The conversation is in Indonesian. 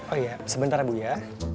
oh iya sebentar bu ya